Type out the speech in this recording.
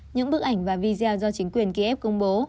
những bức ảnh và video do chính quyền ký ép công bố